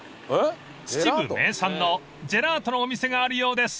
［秩父名産のジェラートのお店があるようです